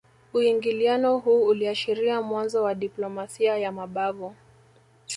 Uingiliano huu uliashiria mwanzo wa diplomasia ya mabavu